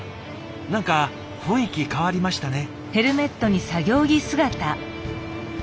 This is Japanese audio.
何か雰囲気変わりましたね。